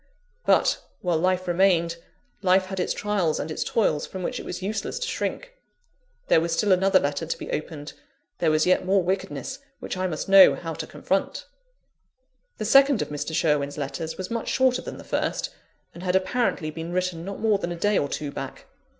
But, while life remained, life had its trials and its toils, from which it was useless to shrink. There was still another letter to be opened: there was yet more wickedness which I must know how to confront. The second of Mr. Sherwin's letters was much shorter than the first, and had apparently been written not more than a day or two back.